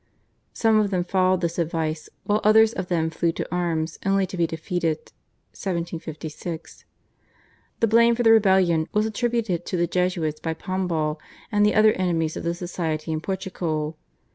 Some of them followed this advice while others of them flew to arms only to be defeated (1756). The blame for the rebellion was attributed to the Jesuits by Pombal and the other enemies of the Society in Portugal.